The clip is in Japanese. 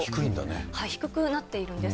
低くなっているんです。